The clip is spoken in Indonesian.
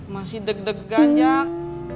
masih deg degan jack